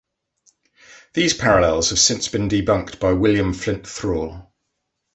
These parallels have since been debunked by William Flint Thrall.